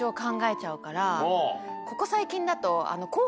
ここ最近だと。